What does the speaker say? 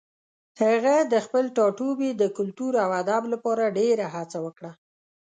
هغه د خپل ټاټوبي د کلتور او ادب لپاره ډېره هڅه وکړه.